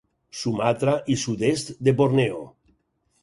Sumatra i sud-est de Borneo.